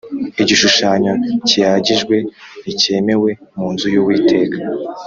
igishushanyo kiyagijwe ntikemewe mu nzu y'uwiteka